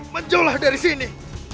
menjauh dari sini